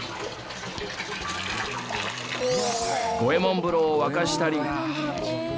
五右衛門風呂を沸かしたり。